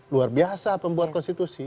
luar biasa pembuat konstitusi